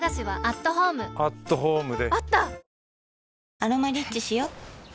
「アロマリッチ」しよ